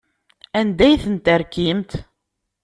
Anda ay ten-terkimt?